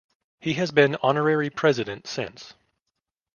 He has been honorary president since.